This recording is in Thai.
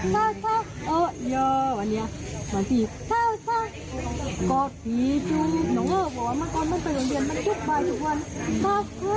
ครับครับครับขออนุญาตแสดงนะ